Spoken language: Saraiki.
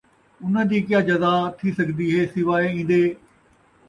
اُنہاں دِی جزا کیا تِھی سڳدی ہے سِواے اِیندے